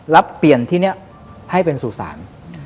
เปลี่ยนที่นี้ให้เป็นสู่ศาล